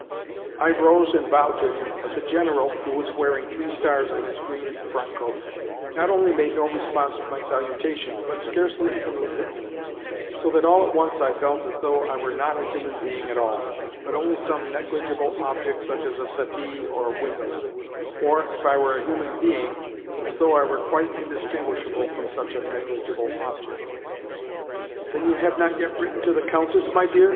I rose and bowed to him, but the General (who was wearing three stars on his green frockcoat) not only made no response to my salutation, but scarcely even looked at me; so that all at once I felt as though I were not a human being at all, but only some negligible object such as a settee or window; or, if I were a human being, as though I were quite indistinguishable from such a negligible object. "Then you have not yet written to the Countess, my dear?"